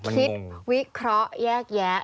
มันงงคิดวิเคราะห์แยก